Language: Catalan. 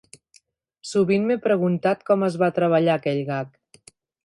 Sovint m'he preguntat com es va treballar aquell gag.